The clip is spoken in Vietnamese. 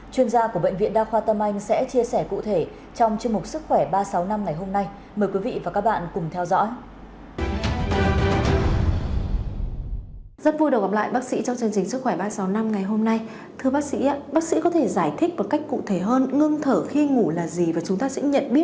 chuyên gia của bệnh viện đa khoa tâm anh sẽ chia sẻ cụ thể